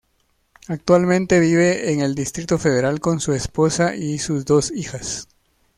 Actualmente, vive en el Distrito Federal con su esposa y sus dos hijas.